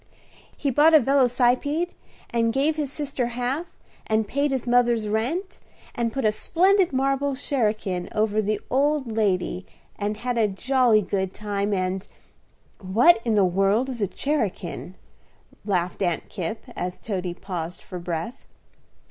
"He bought a velocipede, and gave his sister half, and paid his mother's rent, and put a splendid marble cherakin over the old lady, and had a jolly good time, and " "What in the world is a cherakin?" laughed Aunt Kipp, as Toady paused for breath.